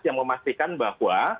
yang memastikan bahwa